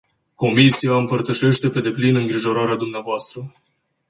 Comisia împărtășește pe deplin îngrijorarea dvs.